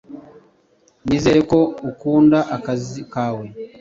Nizera ko ukunda akazi kawe.